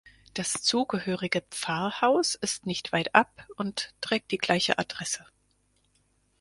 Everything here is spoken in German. Das zugehörige Pfarrhaus ist nicht weitab und trägt die gleiche Adresse.